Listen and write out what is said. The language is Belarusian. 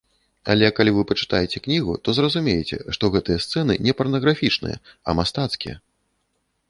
Але калі вы пачытаеце кнігу, то зразумееце, што гэтыя сцэны не парнаграфічныя, а мастацкія.